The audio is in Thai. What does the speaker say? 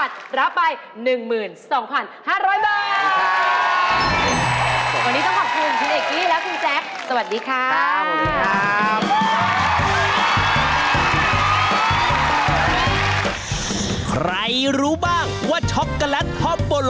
ถ้าหยุดแบบนี้ค่ะรับไปเลยค่ะ